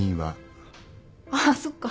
ああそっか。